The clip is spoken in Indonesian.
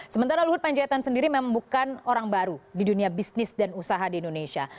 sementara luhut panjaitan sendiri memang bukan orang baru di dunia bisnis dan usaha di indonesia